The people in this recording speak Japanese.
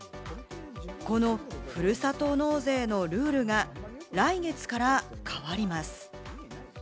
このふるさと納税のルールが来月から変わります。